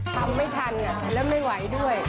ทำไม่ทันแล้วไม่ไหวด้วย